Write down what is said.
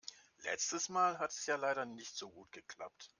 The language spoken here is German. Letztes Mal hat es ja leider nicht so gut geklappt.